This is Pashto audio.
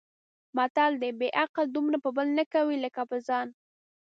متل دی: بې عقل دومره په بل نه کوي لکه په ځان.